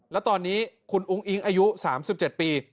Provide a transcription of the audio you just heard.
แล้วตอนนี้คุณอุ้งอิ๊งอายุ๓๗ปี